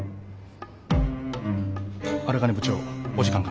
荒金部長お時間が。